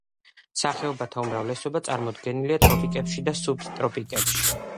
სახეობათა უმრავლესობა წარმოდგენილია ტროპიკებში და სუბტროპიკებში.